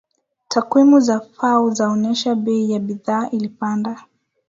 takwimu za fao zaonyesha bei ya bidhaa ilipanda